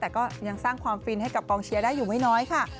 แต่ก็ยังสร้างความฟินให้กับกองเชียร์ได้อยู่ไม่น้อยค่ะ